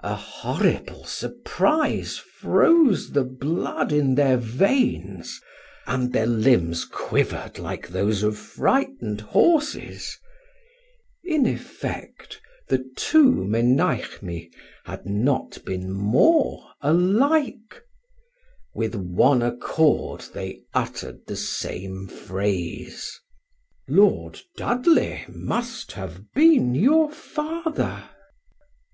A horrible surprise froze the blood in their veins, and their limbs quivered like those of frightened horses. In effect, the two Menoechmi had not been more alike. With one accord they uttered the same phrase: "Lord Dudley must have been your father!"